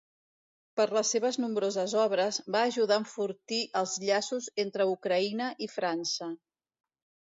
Per les seves nombroses obres, va ajudar a enfortir els llaços entre Ucraïna i França.